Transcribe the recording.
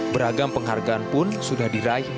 beragam penghargaan pun sudah diraih